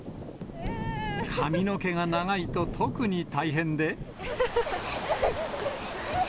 髪の毛が長いと特に大変で。